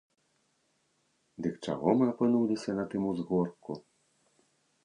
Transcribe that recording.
Дык чаго мы апынуліся на тым узгорку?